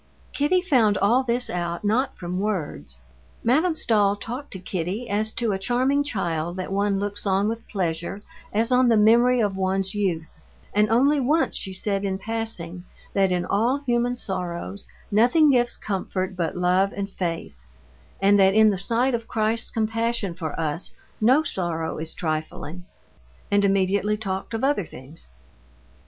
Kitty found all this out not from words. Madame Stahl talked to Kitty as to a charming child that one looks on with pleasure as on the memory of one's youth, and only once she said in passing that in all human sorrows nothing gives comfort but love and faith, and that in the sight of Christ's compassion for us no sorrow is trifling—and immediately talked of other things.